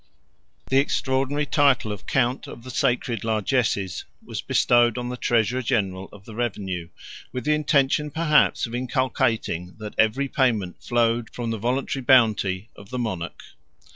4. The extraordinary title of count of the sacred largesses was bestowed on the treasurer general of the revenue, with the intention perhaps of inculcating, that every payment flowed from the voluntary bounty of the monarch.